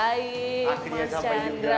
akhirnya sampai juga nih ya